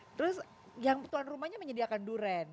terus yang tuan rumahnya menyediakan durian